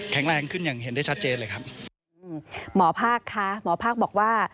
แรงขึ้นอย่างเห็นได้ชัดเจนเลยครับหมอภาคค่ะหมอภาคบอกว่า